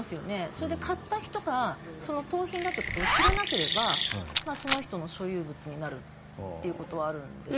それで買った人が盗品だっていうことを知らなければその人の所有物になるということはあるんです。